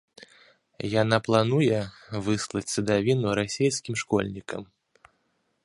Яна плануе выслаць садавіну расейскім школьнікам.